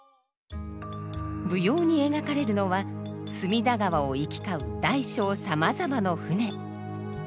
舞踊に描かれるのは隅田川を行き交う大小さまざまの船。